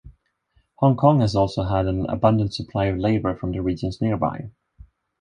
Hong Kong has also had an abundant supply of labour from the regions nearby.